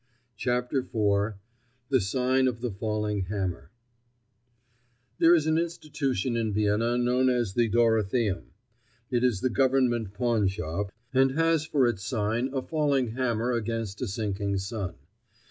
CHAPTER IV—THE SIGN OF THE FALLING HAMMER There is an institution in Vienna known as the Dorotheum. It is the Government pawnshop and ===has for its sign a falling hammer against a sinking sun.